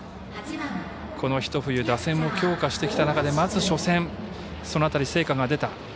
この一冬打線も強化してきた中でまず初戦、その辺り成果が出た。